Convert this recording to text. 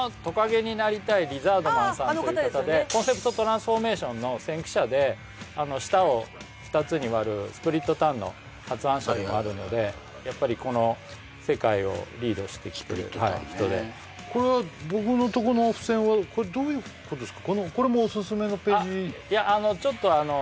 この方さんという方でコンセプトトランスフォーメーションの先駆者で舌を２つに割るスプリットタンの発案者でもあるのでやっぱりこの世界をリードしてきてる人でこれは僕のとこの付箋はこれどういうことですか？